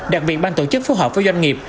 đặc biệt ban tổ chức phù hợp với doanh nghiệp